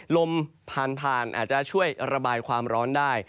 ลมผ่านอาจจะช่วยระบายความร้อนได้